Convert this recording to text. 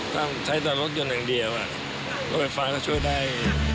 ต้องใช้แต่รถยนต์อย่างเดียวรถไฟฟ้าก็ช่วยได้